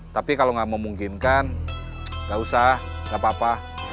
tapi kalau gak memungkinkan gak usah gak apa apa